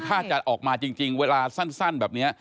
ถ้าจะออกมาจริงเวลาสั้นแบบนี้